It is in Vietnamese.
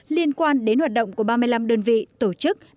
liên quan đến hoạt động của ba mươi năm đơn vị tổ chức